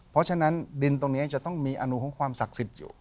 เพราะฉะนั้นดินตรงนี้จะต้องมีอนุของความศักดิ์สิทธิ์อยู่